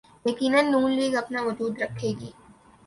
یقینا N League اپنا وجود رکھے گی۔